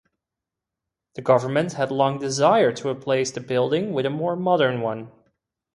The government had long desired to replace the building with a more modern one.